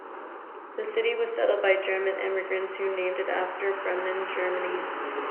The city was settled by German immigrants who named it after Bremen, Germany.